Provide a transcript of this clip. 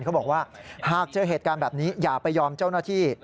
เขาบอกว่าหากเจอเหตุการณ์แบบนี้อย่าไปยอมเจ้าหน้าที่